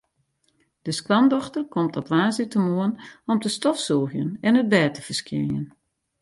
De skoandochter komt op woansdeitemoarn om te stofsûgjen en it bêd te ferskjinjen.